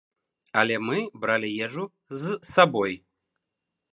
Але мы бралі ежу з сабой.